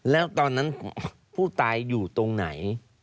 แล้วตอนนั้นผู้ตายอยู่ตรงไหน